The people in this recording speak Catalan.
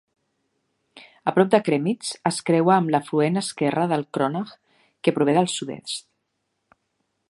A prop de Kremitz es creua amb l"afluent esquerre del "Kronach" que prové del sud-est.